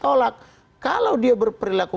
tolak kalau dia berperilaku